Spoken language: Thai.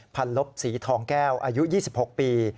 พันลบสีทองแก้วอายุ๒๖ปี